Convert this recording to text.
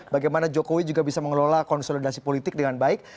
bagaimana jokowi juga bisa mengelola konsolidasi politik dengan baik